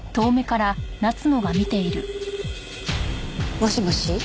もしもし？